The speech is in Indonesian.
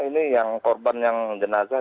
ini yang korban yang jenazah